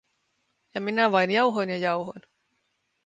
Ja minä vain jauhoin ja jauhoin.